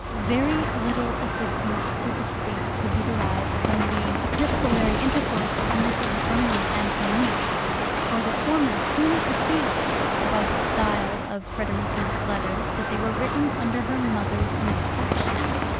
Very little assistance to the State could be derived from the epistolary intercourse of Mrs. Vernon and her niece; for the former soon perceived, by the style of Frederica's letters, that they were written under her mother's inspection!